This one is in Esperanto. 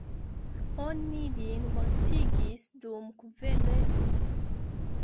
Oni lin mortigis dum kverelo.